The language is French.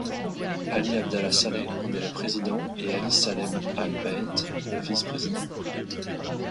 Ali Abdallah Saleh en est le président et Ali Salem al-Beidh le vice-président.